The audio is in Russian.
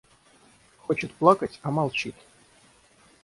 Хочет плакать, а молчит.